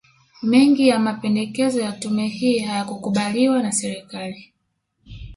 Mengi ya mapendekezo ya tume hii hayakukubaliwa na Serikali